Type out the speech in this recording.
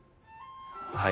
はい。